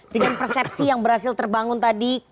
dengan persepsi yang berhasil terbangun tadi